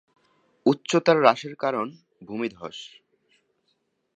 উচ্চতার হ্রাসের কারণ ভূমিধ্স।